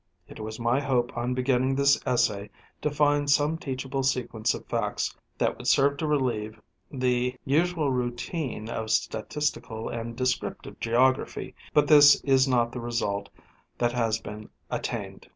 It was my hope on beginning this essay to find some teachable sequence of facts that would serve to relieve the usual routine of statistical and descriptive geography, but this is not the result that has been attained.